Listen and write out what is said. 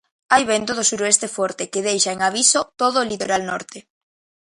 Hai vento do suroeste forte, que deixa en aviso todo o litoral norte.